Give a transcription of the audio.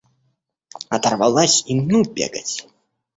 Оторвалась и ну бегать!